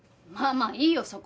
まあまあいいよ